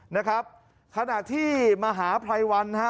นะครับขณะที่มหาภัยวันนะฮะ